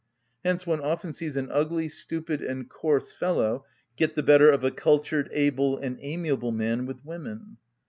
Hence one often sees an ugly, stupid, and coarse fellow get the better of a cultured, able, and amiable man with women.